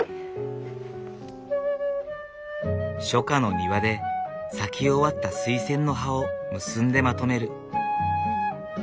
初夏の庭で咲き終わったスイセンの葉を結んでまとめる。